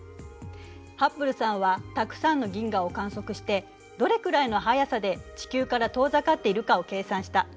ハッブルさんはたくさんの銀河を観測してどれくらいの速さで地球から遠ざかっているかを計算した。